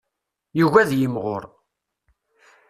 Yugi ad yimɣur.